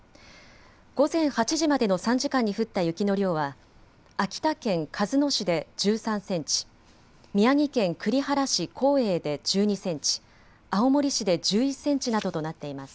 午前８時までの３時間に降った雪の量は秋田県鹿角市で１３センチ、宮城県栗原市耕英で１２センチ、青森市で１１センチなどとなっています。